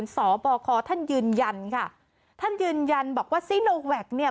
สบคท่านยืนยันค่ะท่านยืนยันบอกว่าซีโนแวคเนี่ย